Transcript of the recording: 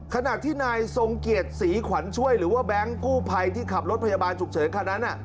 ขณะที่นายทรงเกียรติศรีขวัญช่วยหรือว่าแบงค์กู้ภัยที่ขับรถพยาบาลฉุกเฉินคันนั้น